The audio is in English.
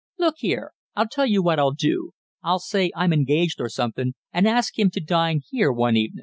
Look here, I'll tell you what I'll do I'll say I'm engaged or somethin', and ask him to dine here one evenin'.